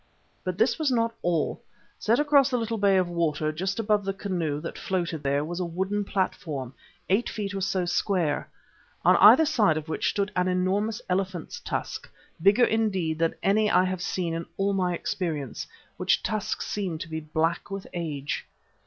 But this was not all. Set across the little bay of water just above the canoe that floated there was a wooden platform, eight feet or so square, on either side of which stood an enormous elephant's tusk, bigger indeed than any I have seen in all my experience, which tusks seemed to be black with age.